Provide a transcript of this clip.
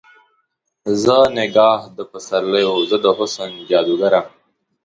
زه نګهت د پسر لیو، زه د حسن جادوګره